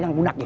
yang punak ya